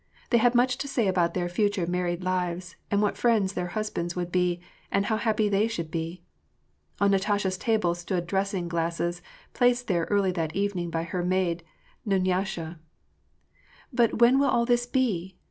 They had much to say about their future married lives, and what friends their husbands would be, and how happy they should be. On Natasha's table stood dressing glasses, placed there early that evening by her maid, Dunyasha. " But when will all this be